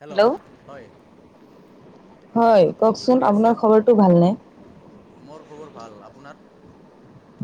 Hello হয় অ হয় আপুনি কি কওকচোন কৰি আপোনাৰ আছে। খবৰটো ভালনে? মোৰ খবৰ ভাল আপোনাৰ।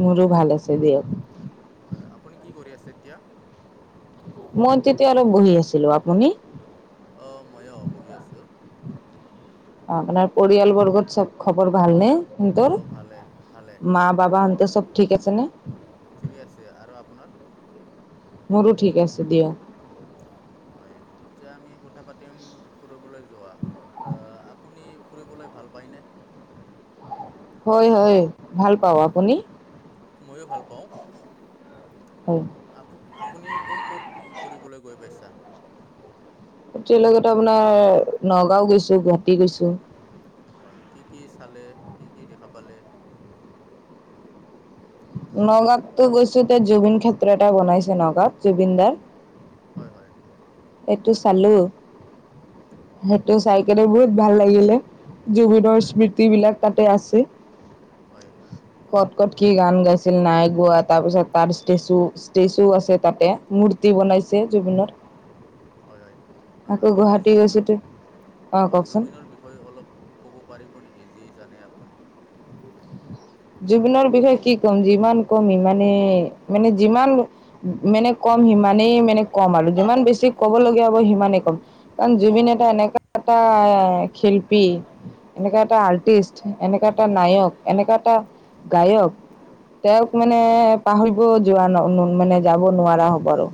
মোৰো ভাল আছে দিয়া। হয় আপুনি কি কৰি আছে এতিয়া। মই তেতিয়া অলপ বহি আছিলো আপুনিহ অ', মইও বহি আছোঁ। অ', আপোনাৰ পৰিয়ালবৰ্গত চব খবৰ ভালনে? তোৰ অঁ ভালে ভালে মা বাবা আনতে চব ঠিক আছে নে। ঠিকে আছে আৰু আপোনাৰ। মোৰো ঠিক আছে দিয়ক। হয় এতিয়া আমি কথা পাতিম ফুৰিবলৈ যোৱা। অ', আপুনি ফুৰিবলৈ ভাল পায়নে। হয় হয় ভাল পাওঁ, আপুনি? ময়ো ভাল পাওঁ। হয়। আপু আপুনি ক'ত ক'ত ফুৰিবলৈ গৈ পাইছা? এতিয়া লগতো আপোনাৰ নগাঁও গৈছোঁ গুৱাহাটী গৈছোঁ। হয় কি, কি চালে কি, কি দেখা পালে। নগাঁও তো গৈছোঁ ত জুবিন ক্ষেত্ৰ এটা বনাইছে নগাঁও জুবিনদাৰ হয়, হয়। এইটো চালো সেইটো চাই কে বহুত ভাল লাগিলে। জুবিনৰ হয় স্মৃতি বিলাক তাতে আছে। হয়। ক'ত ক'ত কি গান গাইছিল নাই গোৱা তাৰ পিছত তাৰ ষ্টেচু ষ্টেচু আছে তাতে মূৰ্তি বনাইছে জুবিনৰ। হয়, হয় আকৌ আপুনি গুৱাহাটী জুবিনৰ, গৈছোতো অ কওকচোন জুবিনৰ বিষয়ে অলপ ক'ব পাৰিব নেকি যি জানে আপুনি। জীৱনৰ বিষয়ে কি ক'ম যিমান কমি মানে মানে যিমান মানে কম সিমানেই মানে কম আৰু যিমান বেছি ক'ব লগগীয়া হ'ব সিমানেই কম। কাৰণ জুবিন এটা এনেকুৱা এটা শিল্পী এনেককা এটা আৰ্টিষ্ট এনেকা এটা নায়ক এনেকা এটা গায়ক তেওঁক মানে পাহৰিব যোৱা ন মানে যাব নোৱাৰা হ'ব আৰু।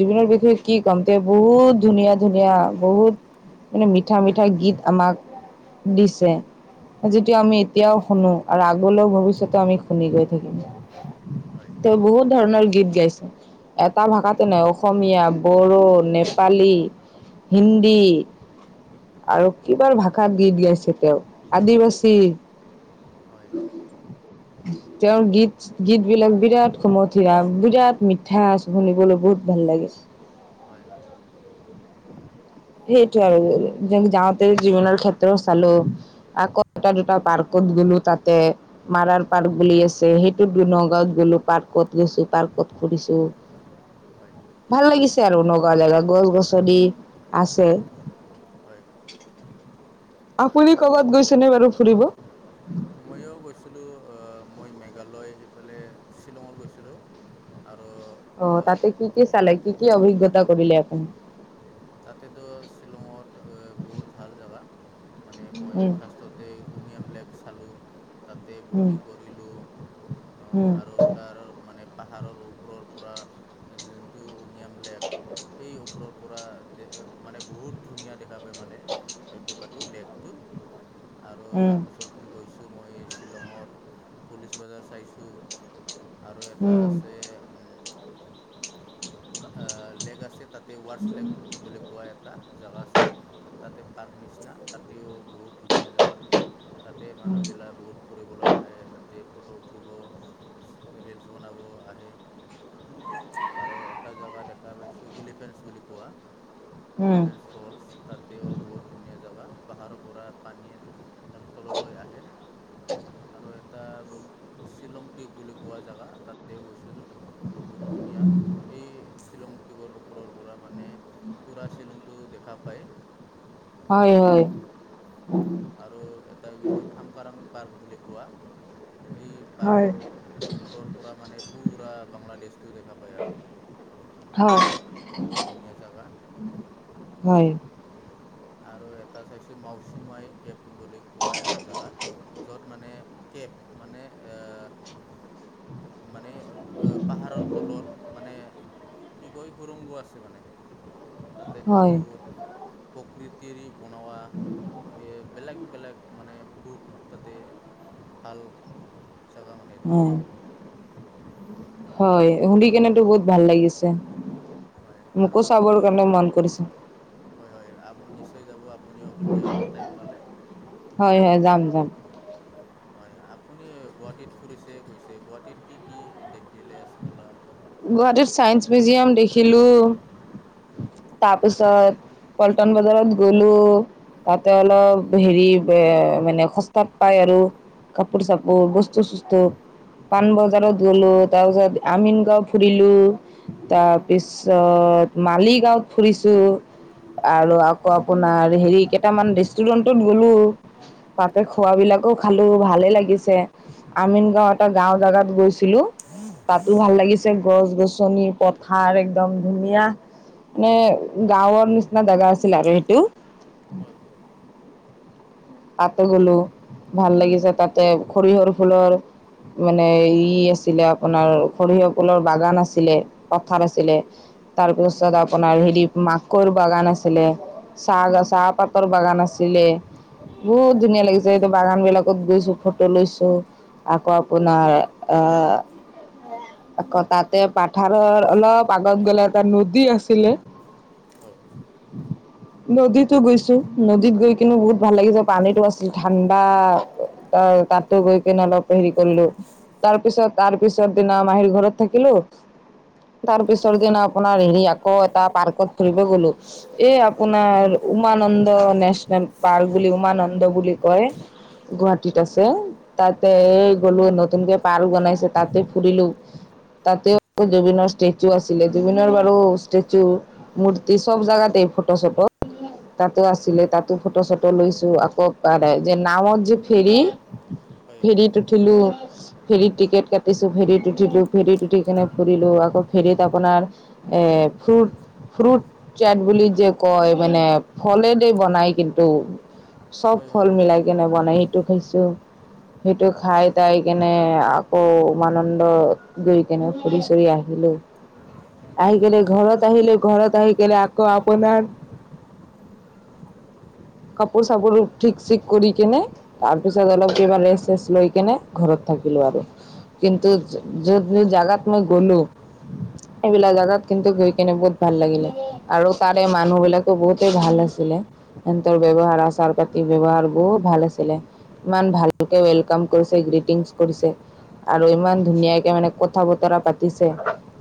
হয়। বিষয়ে কি ক'ম তে বহুত ধুনীয়া, ধুনীয়া বহুত মানে মিঠা মিঠা গীত আমাক দিছে যিটো আমি এতিয়াও শুনো। আৰু আগলৈ ভৱিষ্যতে আমি শুনি গৈ থাকিম হয়, তেওঁ বহুত ধৰণৰ গীত গাইছে। এটা ভাষাতেনে অসমীয়া বড়ো নেপালী হিন্দী। আৰু হয়, কিবাৰ ভাষাত গীত গাইছে তেওঁ আদিবাসী হয়। তেওঁৰ গীত গীত বিলাক বিৰাট সুমথিৰা বিৰাট মিঠা শুনিবলৈ বহুত ভাল লাগে। হয়, হয়। সেইটো আৰু যে যাওঁতে জীৱনৰ ক্ষেত্ৰ চালোঁ। আকৌ এটা দুটা পাৰ্কত গলোঁ তাতে। মাৰাৰ পাৰ্ক বুলি আছে সেইটো দু নগাঁৱত গ'লো পাৰ্কত গৈছো পাৰ্কত ফুৰিছোঁ। [unintelligible] ভাল লাগিছে আৰু নগাঁও জেগা গছ গছনি আছে। হয়। আপুনি আৰু ক'বাত গৈছেনে বাৰু ফুৰিব। মইয়ো গৈছিলো মই মেঘালয় এইফালে শ্বিলঙত গৈছিলোঁ। আৰু অ তাতে কি কি চালে কি কি অভিজ্ঞতা কৰিলে আপুনি? তাতেতো শ্বিলঙত অ বহুত ভাল জাগা মানে মই উম ফাৰ্ষ্টত তে উমিয়াম লেক চালো, তাতে উম ব'টিং কৰিলোঁ অ আৰু তাৰ মানে পাহাৰৰ ওপৰৰ পৰা যোনটো অমিয়াম লেক সেই ওপৰৰ পৰা তে মানে বহুত ধুনীয়া দেখা পায় মানে কেইবাটো লেকটো আৰু উম তাৰ পিছত গৈ- ছো মই শ্বিলঙত পুলিচ বজাৰ চাইছোঁ আৰু এটা উম আছে উম আ লেগ আছে তাতে ৱাৰ্চ লেগ বুলি কোৱা এটা জেগা আছে তাতে পাৰ্ক নিচিনা তাতেও বহুত ধুনীয়া জাগা তাতে উম মানুহবিলাক বহুত ফুৰিলৈ আহে তাতে ফটো উঠিব, ৰিলচ বনাব আহে। আৰু এটা জেগা দেখা পাইছোঁ এলিফেন্ছ বুলি কোৱা উম এলিফেন্ছ ফলচ তাতেও বহুত ধুনীয়া জেগা পাহাৰৰ পৰা পানীৰ তললৈ আহে আৰু এটা বল শ্বিলং পিক বুলি কোৱা জেগা তাতেও গৈছিলোঁ। বহুত ধুনীয়া সেই শ্বিলং পিকৰ ওপৰৰ পৰা মানে পুৰা শ্বিলংটো দেখা পায়। হয় হয় উম আৰু এটা গৈছো থংকাৰাং পাৰ্ক বুলি কোৱা এই হয় পাৰ্কৰ ওপৰৰ পৰা মানে পুৰা বাংলাদেশটো দেখা পায় আৰু হয় বহুত ধুনীয়া জেগা। হয় আৰু এটা চাইছোঁ মাউচিমাই কেব বুলি কোৱা এটা জেগা য'ত মানে কেব মানে আ মানে পাহাৰৰ তলত মানে কি কয় সুুৰংগো আছে মানে তাতে হয় বহুত প্ৰকৃতিৰ বনোৱা সেয়ে বেলেগ বেলেগ মানে বহুত তাতে ভাল জেগা মানে এইটো উম হয় শুনি কেনেতো বহুত ভাল লাগিছে হয় আৰু মোকো আপুনি চাবৰ কাৰণে মন কৰিছে। হয় হয় আপু নিশ্চয় যাব আপুনিও কেতিয়াবা টাইম পালে। হয় হয় যাম যাম। হয় আপুনি গুৱাহাটীত ফুৰিছে গৈছে গুৱাহাটীত কি কি দেখিলে চালা? গুৱাহাটী চাইন্স মিউজিয়াম দেখিলো হয় তাৰপিছত পলটন বজাৰত গলো তাতে অলপ হেৰি বে মানে সস্তাত পায় আৰু। কাপোৰ চাপোৰ বস্তু চস্তু, পান বজাৰত গ'লো তাৰপিছত আমিন গাঁও ফুৰিলোঁ, তাৰপিছত মালিগাঁৱত ফুৰিছোঁ। হয় আৰু আকৌ আপোনাৰ হেৰি কেইটামান ৰেষ্টুৰেণ্টত গলো। তাতে হয় খোৱাবিলাকো খালো ভালে লাগিছে। আমিন গাওঁ হয় এটা গাওঁ জাগাত গৈছিলো তাতো ভাল লাগি- ছে গছ-গছনি পথাৰ একদম ধুনীয়া। মানে গাঁৱৰ নিচিনা দাদা আছিল আৰু সেইটো। হয়। তাতে গ'লো, ভাল লাগিছে তাতে, সৰিয়হৰ ফুলৰ মানে ই আছ ছিলে আপোনাৰ সৰিয়হ ফুলৰ বাগান আছিলে, পথাৰ হয় আছিলে। হয় তাৰপিছত আপোনাৰ হেৰি মাকৈৰ বাগান আছিলে। চাহ গা চাহ পাতৰ বাগান আছিলে। বহুত ধুনীয়া লাগিছে, এইটো বাগানবিলাকত গৈছোঁ, ফটো লৈছোঁ। আকৌ আপোনাৰ আ আকৌ তাতে পাথাৰৰ অলপ আগত গ'লে এটা নদী আছিলে হয়। নদীতো গৈছোঁ, নদীত গৈ কিনে বহুত ভাল লাগিছে, পানীটো আছিল ঠাণ্ডা অ' তাতো গৈ কিনে অলপ হেৰি কৰিলো। তাৰপিছত তাৰপিছৰ দিনা মাহীৰ ঘৰত থাকিলো তাৰপিছৰ দিনা আপোনাৰ হেৰি আকৌ এটা পাৰ্কত ফুৰিব গ'লো। এই আপোনাৰ উমানন্দ নেচনেল পাৰ্ক বুলি উমানন্দ বুলি কয়। গুৱাহাটীত হয় আছে, তাতে হয় গ'লো নতুনকে পাৰ্ক বনাইছে তাতে ফুৰিলোঁ। তাতে জুবিনৰ ষ্টেচু আছিলে, জুবিনৰ বাৰু ষ্টেচু মূৰ্তি চব জাগাতে ফটো চটো, তাতে হয় আছিলে তাত ফটো চটো লৈছোঁ আকৌ যে নাঁৱত যে ফেৰী হয় ফেৰীটো উঠিলোঁ, ফেৰীত টিকেট কাটিছোঁ, ফেৰীত উঠিলোঁ, ফেৰিত উঠি কিনে ফুৰিলো, আকৌ ফেৰীত আপোনাৰ এ, ফ্ৰুট, ফ্ৰুট চেট বুলি যে কয় মানে ফলে দে বনাই কিন [unintelligible] চব হয় হয় ফল হয় মিলাই কেনে বনাই সেইটো খাইছোঁ। সেইটো খাই টাই কেনে আকৌ উমনন্দ গৈ কেনে ফুৰি চুৰি আহিলোঁ। [inaudible] আহি কেনে ঘৰত আহিলোঁ, ঘৰত আহি কেনে আকৌ আপোনাৰ কাপোৰ চাপোৰ ঠিক চিক কৰি কেনে তাৰপিছত অলপ কিবা ৰেষ্ট চেচ লৈ কেনে ঘৰত থাকিলোঁ আৰু। কিন্তু [unintelligible] জাগাত মই গ'লো [inaudible] এইবিলাক জাগাত কিন্তু গৈ কেনে বহুত ভাল লাগিলে আৰু তাৰে মানুহবিলাকো বহুতেই ভাল আছিলে। তাৰ হয় ব্যৱহাৰ, আচাৰ পাতি, ব্যৱহাৰ বহুত ভাল আছিলে। ইমান ভালকে ৱেলকাম কৰিছে, গ্ৰিটিংছ কৰিছে। আৰু ইমান ধুনীয়াকে মানে কথা বতৰা পাতিছে।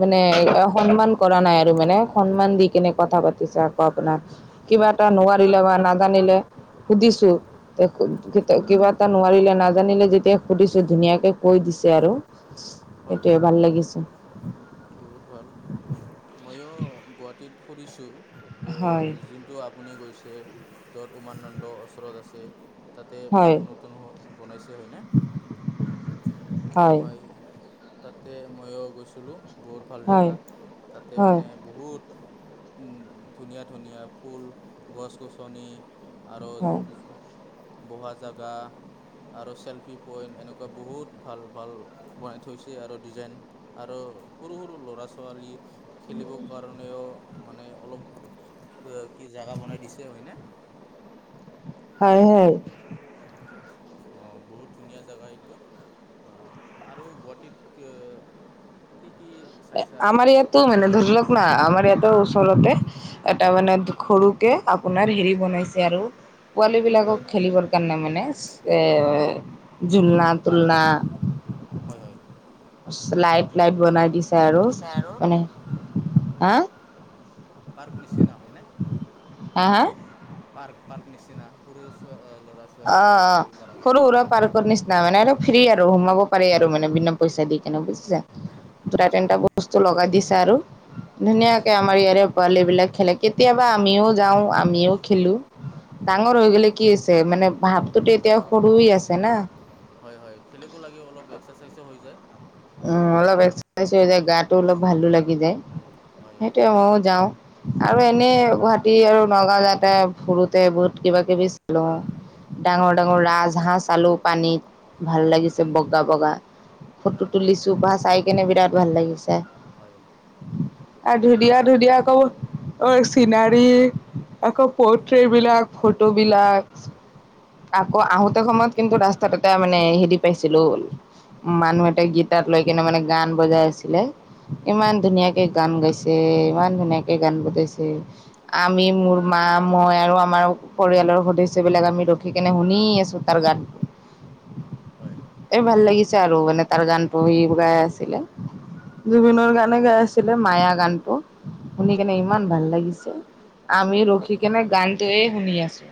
মানে অসন্মান কৰা নাই আৰু মানে সন্মান দি কেনে কথা পাতিছে আকৌ আপোনাৰ। কিবা এটা নোৱাৰিলে বা নাজানিলে সুধিছোঁ। [unintelligible] কিবা এটা নোৱাৰিলে, নাজানিলে যেতিয়া সুধিছোঁ ধুনীয়াকে কৈ দিছে আৰু। হয় সেইটোৱে ভাল লাগিছে। বহুত ভাল। ময়ো গুৱাহাটীত ফুৰিছো, এ, হয়। যুন টো আপুনি গৈছে য'ত উমানন্দ ওচৰত আছে। তাতে হয়। পাৰ্ক নতুন বনাইছে হয়নে? হয়। তাতে ময়ো গৈছিলোঁ, বহুত ভাল হয়, জাগা, তাতে হয়, মানে বহুত ওম ধুনীয়া ধুনীয়া ফুল গছ গছনি। আৰু হয়, জ বহোৱা জাদা। আৰু চেলফি পইণ্ট এনেকুৱা বহুত ভাল ভাল বনাই থৈছে আৰু ডিজাইন। আৰু সৰু সৰু ল'ৰা ছোৱালী। খেলিবৰ কাৰণেও মানে অলপ কি জোগা বনাই দিছে হয়নে? হয়ঁ হয়ঁ। অঁ বহুত ধুনীয়া জেগা এইটো অঁ আৰু গুৱাহাটীতকে কি কিৰ আমাৰ ইয়াতো মানে ধৰি লওক না আমাৰ ইয়াত ওচৰতে এটা মানে সৰুকে আপোনাৰ হেৰি বনাইছে আৰু। পোৱালিবিলাকক খেলিবৰ কাৰণে মানে এ ঝুলনা তুলনা। হয়ঁ হয়ঁ। লাইট লাইট বনাই দিছে আৰু পিছে আৰু মানে হা। পাৰ্ক নিচিনা হয় নে? হা হা পাৰ্ক পাৰ্ক নিচিনা সৰু চো ল'ৰা ছোৱালী অঁ অঁ খেলিবলৈ পৰাকৈ সৰু সুৰা পাৰ্ক নিচিনা মানে অলপ ফ্ৰী আৰু সোমাব পাৰি আৰু মানে বিনা পইচা দি কেনেক বুজিছা। হয়ঁ। দুটা তিনিটা বস্তু লগাই দিছে আৰু, হয় ধুনীয়াকে আমাৰ ইয়াৰে পোৱালিবিলাক খেলে কেতিয়াবা আমিও যাওঁ আমিও খেলো। হয় ডাঙৰ হৈ হয় গ'লে কি আছে মানে ভাৱটোতো এতিয়া সৰুৱে আছে না। হয়ঁ হয়ঁ খেলিব লাগে অলপ এক্সাৰচাইজো হৈ যায়। উমঁ অলপ এক্ৰচাইজ হৈ যায় গাটো অলপ ভালো লাগি যায় হয় সেইটোৱে আক যাওঁ। আৰু এনেই গুৱাহাটী আৰু নগাঁও যাওঁতে ফুৰোতে বহুত কিবা কিবি চালো আও। ডাঙৰ ডাঙৰ হয় ৰাজ হাঁহ চালো পানীত, ভাল লাগিছে হয় বগা বগা, ফটো,,, হয় হয় চুপা চাই কেনে বিৰাট ভাল লাগিছে। হয় আৰু ধুনীয়া মানুহ ধুনীয়া কৱ। ঐ চিনাৰী, আকৌ হয় পৰ্ট্ৰেট বিলাক ফটো বিলাক। আকৌ আহোতে সময়ত কিন্তু ৰাস্তাত এটা মানে হেৰি পাইছিলো মানুহ এটা গীত তাত লৈ কিনে মানে গান বজাই আছিলে, ইমান হয় ধুনীয়াকে,,, গান গাইছে ইমান ধুনীয়াকে গান বজাইছে। আমি মোৰ মা মই আৰু আমাৰ পৰিয়ালৰ সদস্যবিলাক আমি ৰখিকনে শুনি আছোঁ। তাৰ গাত হয়ঁ! এ ভাল লাগিছে আৰু মানে তাৰ গানটো সি গাই আছিলে হয় জুবিনৰ গানে গাই আছিলে। আছিলে মায়া গানটো শুনি কিনে হয় হয় ইমান হয় ভাল লাগিছে আমি হয় ৰখি কিনে গান,, গানটো শুনি আছো।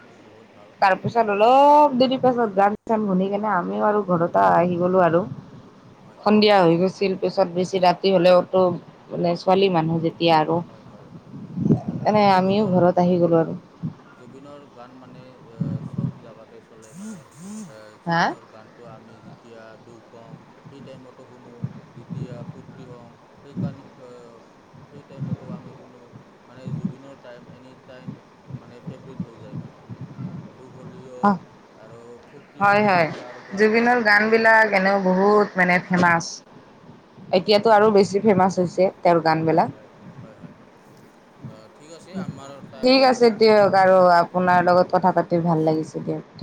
মই' বহুত ভাল। তাৰ পিছত অলপ দেৰি পাছত গান চান শুনি কেনে আমিও আৰু ঘৰতে আহি গ'লো আৰু। হয় সন্ধিয়া হৈ গৈছিল পিছত বেছি ৰাতি হলেওতো,,, মানে ছোৱালী মানুহ যেতিয়া আৰু, হয় হয় মানে এনে আমিও জুবিনৰ ঘৰত আহি গ'লো আৰু। জুবিনৰ গান মানে এ চব জেগাতে চলে মানে এ হা জুবিনৰ গান। তো আমি যেতিয়া দুখ হওঁ সেই টাইমত,,, শুনো যেতিয়া ফূৰ্তি হওঁ সেইকাৰণ অৱ তো সে টাইমত আমি শুনো। মানে জুবিনৰ টাইম এনি টাইম মানে ফেভাৰট হৈ যায় মানে। দুখ হ'লিও আৰু ফূৰ্তি হয় হ'লিও হয় তাৰ গান জুবিনৰ শুনি কিনে বিলাক এনেও বহুত মানে অঁ ফেমাছ এতিয়াতো আৰু বেছি ফেমাচ হৈছে। তেওঁৰ গান হয় বিলাক হয় হয় হয় অ ঠিক আছ- ঠিক আছে দিয়ক আৰু থেংক ইউ আপোনাৰ লগত কথা পাতি ভাল লাগিছে দিয়ক।